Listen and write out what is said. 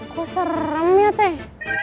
kok serem ya teh